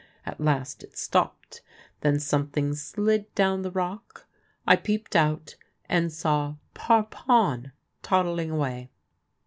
At last it stopped. Then something slid down the rock. I peeped out, and saw Parpon toddling away."